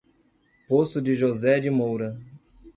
Poço de José de Moura